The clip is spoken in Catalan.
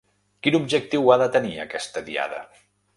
Quin objectiu ha de tenir aquesta Diada?